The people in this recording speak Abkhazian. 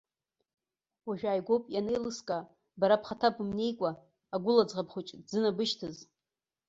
Уажәааигәоуп ианеилыскаа, бара бхаҭа бымнеикәа, агәыла ӡӷаб хәыҷы дзынабышьҭыз.